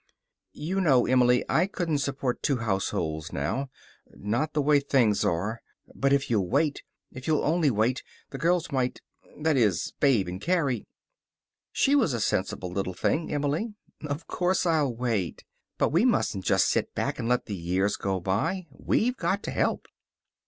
"You know, Emily, I couldn't support two households now. Not the way things are. But if you'll wait. If you'll only wait. The girls might that is, Babe and Carrie " She was a sensible little thing, Emily. "Of course I'll wait. But we mustn't just sit back and let the years go by. We've got to help."